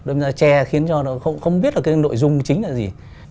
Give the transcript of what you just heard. đâm ra che khiến cho nó không biết là cái nội dung chính là gì